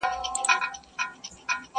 چي فکرونه د نفاق پالي په سر کي!.